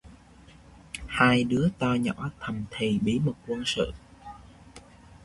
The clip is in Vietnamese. Hai đứa to nhỏ thầm thì bí mật quân sự